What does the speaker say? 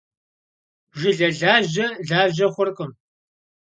Jjıle laje laje xhurkhım.